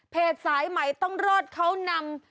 สายใหม่ต้องรอดเขานำ